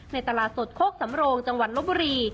ตลาดสดโคกสำโรงจังหวัดลบบุรี